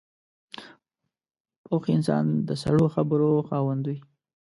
پوخ انسان د سړو خبرو خاوند وي